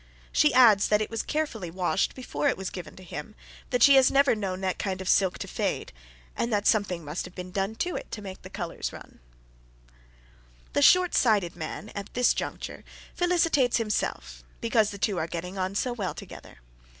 She adds that it was carefully washed before it was given to him, that she has never known that kind of silk to fade, and that something must have been done to it to make the colours run. [Sidenote: A Pitched Battle] The short sighted man at this juncture felicitates himself because the two are getting on so well together.